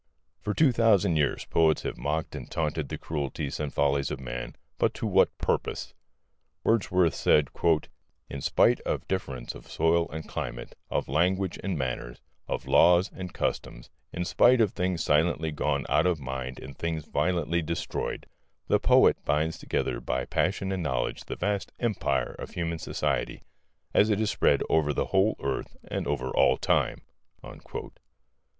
For two thousand years poets have mocked and taunted the cruelties and follies of men, but to what purpose? Wordsworth said: "In spite of difference of soil and climate, of language and manners, of laws and customs, in spite of things silently gone out of mind, and things violently destroyed, the Poet binds together by passion and knowledge the vast empire of human society, as it is spread over the whole earth, and over all time."